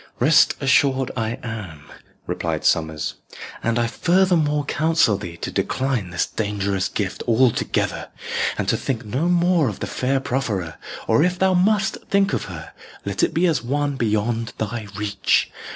"Rest assured I am," replied Sommers; "and I further more counsel thee to decline this dangerous gift altogether, and to think no more of the fair profferer, or if thou must think of her, let it be as of one beyond thy reach.